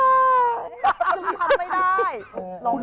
แบบสุดท้ายไม่ได้